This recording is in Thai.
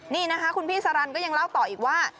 นี่นะคะคุณพี่สารันก็ยังเล่าต่ออีกว่า